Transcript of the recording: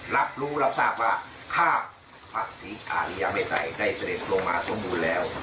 รับรู้รับทราบว่าข้าพระศรีอาริยาเมตรัยได้เสด็จลงมาสมบูรณ์แล้ว